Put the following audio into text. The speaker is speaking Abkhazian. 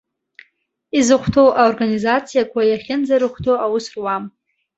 Изыхәҭоу аорганизациақәа иахьынӡарыхәҭоу аус руам.